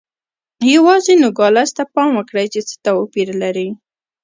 یوازې نوګالس ته پام وکړئ چې څه توپیر لري.